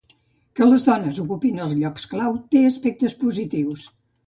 Que les dones ocupin els llocs clau té aspectes positius.